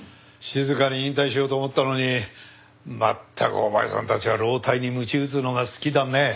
静かに引退しようと思ったのにまったくお前さんたちは老体にむち打つのが好きだね。